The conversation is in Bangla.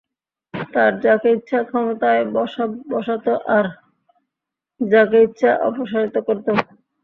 তারা যাকে ইচ্ছা ক্ষমতায় বসাত আর যাকে ইচ্ছা অপসারিত করত।